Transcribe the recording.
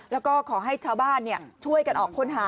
แล้วก็ขอให้ชาวบ้านช่วยกันออกค้นหา